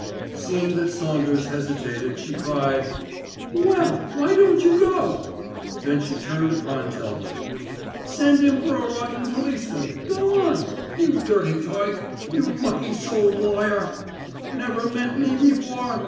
Seeing that Saunders hesitated she cried "Well! Why don't you go?" Then she turned upon Telford. "Send 'im for a rotten policeman. Go on. You dirty tyke. You mucky souled liar. Never met me before?